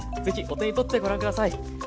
ぜひお手にとってご覧下さい。